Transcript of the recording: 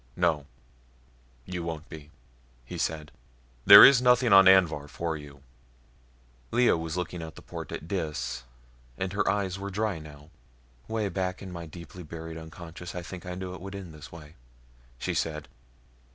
"No, you won't be," he said. "There is nothing on Anvhar for you." Lea was looking out of the port at Dis and her eyes were dry now. "Way back in my deeply buried unconscious I think I knew it would end this way," she said.